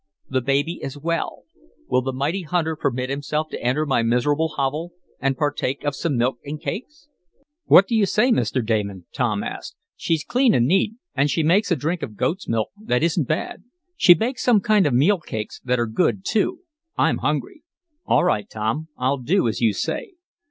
"The baby is well. Will the mighty hunter permit himself to enter my miserable hovel and partake of some milk and cakes?" "What do you say, Mr. Damon?" Tom asked. "She's clean and neat, and she makes a drink of goat's milk that isn't bad. She bakes some kind of meal cakes that are good, too. I'm hungry." "All right, Tom, I'll do as you say."